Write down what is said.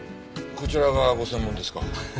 こちらがご専門ですか？